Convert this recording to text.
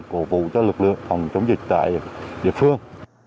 cổ vụ cho lực lượng phòng chống dịch tại địa phương